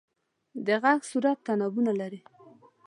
د غږ صورت تنابونه لري.